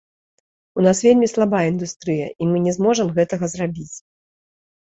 У нас вельмі слабая індустрыя, і мы не зможам гэтага зрабіць.